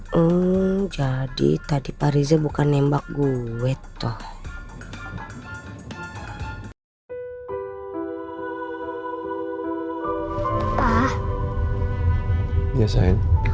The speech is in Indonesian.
hmm jadi tadi pariza bukan nembak gue toh